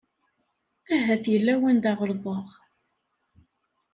Ahat yella wanda ɣelḍeɣ.